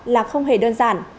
là không hề đơn giản